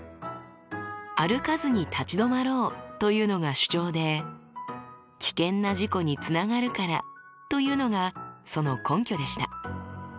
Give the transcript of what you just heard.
「歩かずに立ち止まろう」というのが主張で「危険な事故につながるから」というのがその根拠でした。